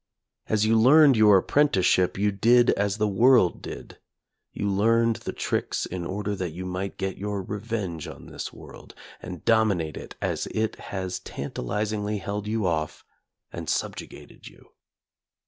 As you learned your apprenticeship, you did as the world did, you learned the tricks in order that you might get your revenge on this world and dominate it as it has tantalizingly held you off and subjugated you.